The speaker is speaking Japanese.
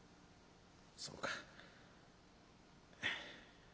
「そうか」。